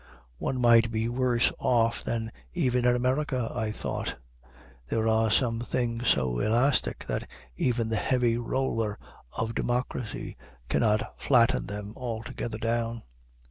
One might be worse off than even in America, I thought. There are some things so elastic that even the heavy roller of democracy cannot flatten them altogether down.